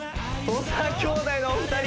土佐兄弟のお二人